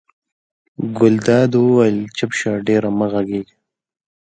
ګلداد وویل چپ شه ډېره مه غږېږه.